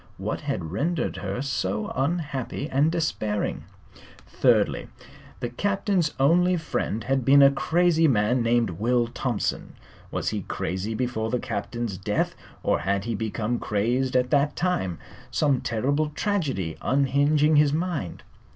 What had rendered her so unhappy and despairing? Thirdly, the Captain's only friend had been a crazy man named Will Thompson. Was he crazy before the Captain's death, or had he become crazed at that time, some terrible tragedy unhinging his mind?